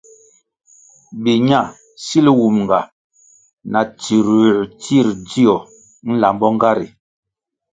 Biña sil wumga na tsirųer tsir dzio lambo nga ri.